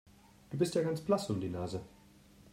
Du bist ja ganz blass um die Nase.